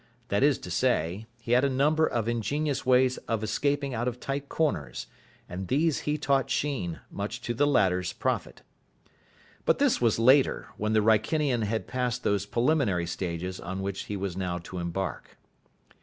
That is to say, he had a number of ingenious ways of escaping out of tight corners; and these he taught Sheen, much to the latter's profit. But this was later, when the Wrykinian had passed those preliminary stages on which he was now to embark.